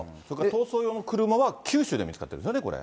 逃走用の車は九州で見つかってるんですよね、これ。